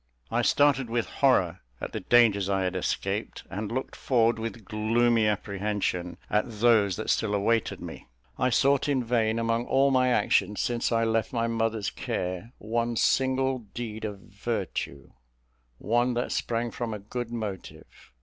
I started with horror at the dangers I had escaped, and looked forward with gloomy apprehension at those that still awaited me. I sought in vain, among all my actions since I left my mother's care, one single deed of virtue one that sprang from a good motive.